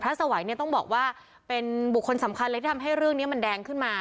สวัยเนี่ยต้องบอกว่าเป็นบุคคลสำคัญเลยที่ทำให้เรื่องนี้มันแดงขึ้นมา